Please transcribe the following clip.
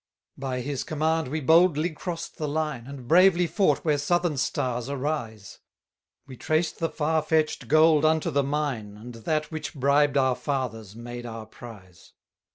31 By his command we boldly cross'd the line, And bravely fought where southern stars arise; We traced the far fetch'd gold unto the mine, And that which bribed our fathers made our prize.